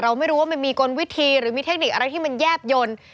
ไม่รู้ว่ามันมีกลวิธีหรือมีเทคนิคอะไรที่มันแยบยนต์